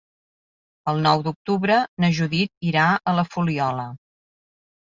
El nou d'octubre na Judit irà a la Fuliola.